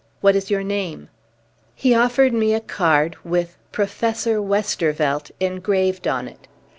What is your name?" He offered me a card, with "Professor Westervelt" engraved on it.